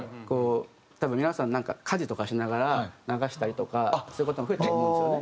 多分皆さん家事とかしながら流したりとかそういう事が増えているんですよね。